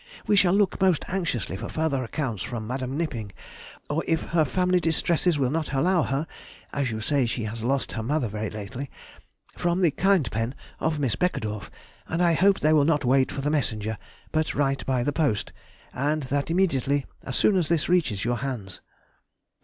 We shall look most anxiously for further accounts from Mde. Knipping, or if her family distresses will not allow her (as you say she has lost her mother very lately), from the kind pen of Miss Beckedorff, and I hope they will not wait for the messenger, but write by the post, and that immediately, as soon as this reaches your hands.